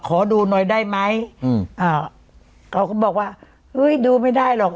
ขอดูหน่อยได้ไหมอืมอ่าเขาก็บอกว่าเฮ้ยดูไม่ได้หรอก